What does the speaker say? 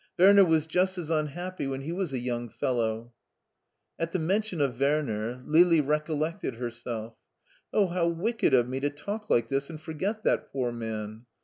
Werner was just as tmhappy when he was a young fellow." At the mention of Werner, Lili recollected herself. " Oh, how wicked of me to talk like this and forget that poor man